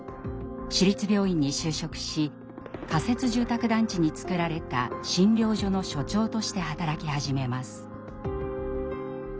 市立病院に就職し仮設住宅団地に作られた診療所の所長として働き始めます。